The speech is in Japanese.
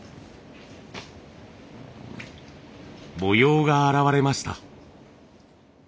模様が現れました。